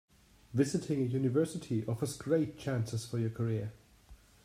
Visiting a university offers great chances for your career.